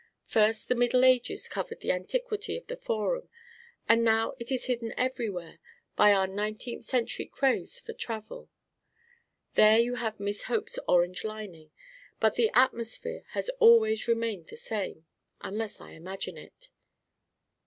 First the middle ages covered the antiquity of the Forum and now it is hidden everywhere by our nineteenth century craze for travel. There you have Miss Hope's orange lining. But the atmosphere has always remained the same. Unless I imagine it...."